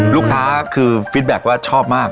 ลูกค้าคือฟิตแบ็คว่าชอบมาก